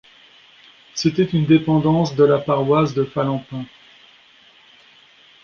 C'était une dépendance de la paroisse de Phalempin.